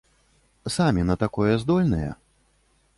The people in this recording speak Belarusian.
Самі на такое здольныя?